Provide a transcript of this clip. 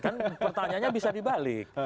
kan pertanyaannya bisa dibalik